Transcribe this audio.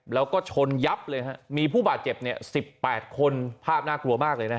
แล้วก็ชนยับเลยฮะมีผู้บาดเจ็บเนี่ย๑๘คนภาพน่ากลัวมากเลยนะฮะ